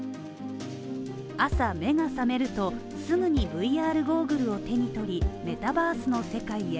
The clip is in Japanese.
朝、目が覚めると、すぐにＶＲゴーグルを手に取り、メタバースの世界へ。